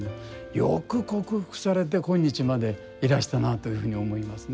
よく克服されて今日までいらしたなというふうに思いますね。